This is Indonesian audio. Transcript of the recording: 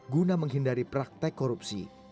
guna menghindari praktek korupsi